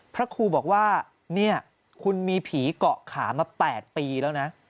พระครูบอกว่าเนี่ยคุณมีผีเกาะขามา๘ปีแล้วนะ